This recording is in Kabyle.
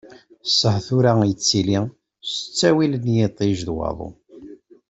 Ssehḍ tura yettili s ttawil n yiṭij d waḍu.